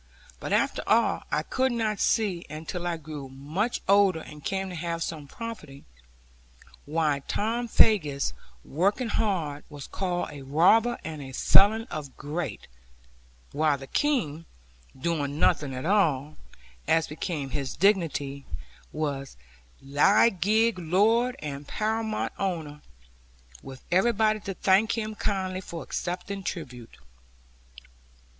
But after all, I could not see (until I grew much older, and came to have some property) why Tom Faggus, working hard, was called a robber and felon of great; while the King, doing nothing at all (as became his dignity), was liege lord, and paramount owner; with everybody to thank him kindly for accepting tribute.